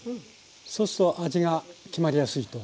そうすると味が決まりやすいと。